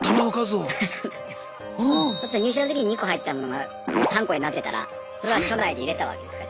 そうすると入所のときに２個入ってたものが３個になってたらそれは所内で入れたわけです。